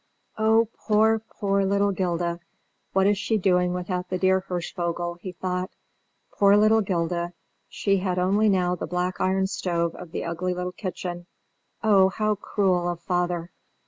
"Oh, poor, poor little 'Gilda! What is she doing without the dear Hirschvogel?" he thought. Poor little 'Gilda! she had only now the black iron stove of the ugly little kitchen. Oh, how cruel of father!